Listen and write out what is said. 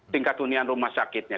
tingkat hunian rumah sakitnya